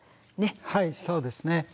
はいそうですね。